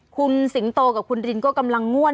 คุณสิงโตกับคุณรินก็กำลังง่วน